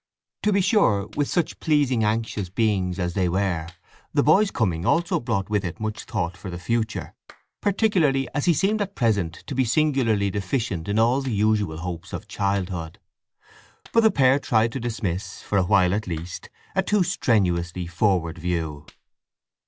To be sure, with such pleasing anxious beings as they were, the boy's coming also brought with it much thought for the future, particularly as he seemed at present to be singularly deficient in all the usual hopes of childhood. But the pair tried to dismiss, for a while at least, a too strenuously forward view.